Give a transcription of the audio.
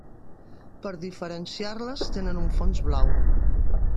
Per diferenciar-les, tenen un fons blau.